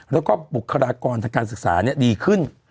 แล้วก็บุคลากรทางการศึกษาดีขึ้น